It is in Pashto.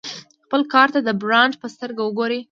خپل کار ته د برانډ په سترګه وګوره.